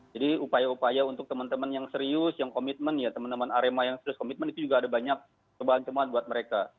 upaya upaya untuk teman teman yang serius yang komitmen ya teman teman arema yang serius komitmen itu juga ada banyak buat mereka